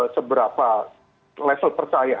seberapa level percaya